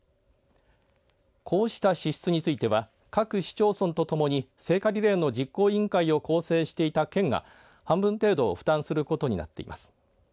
こうした支出については各市町村とともに聖火リレーの実行委員会を構成していた県が半分程度負担することになっています。